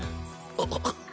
あっ。